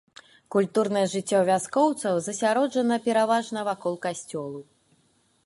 Культурнае жыццё вяскоўцаў засяроджана пераважна вакол касцёлу.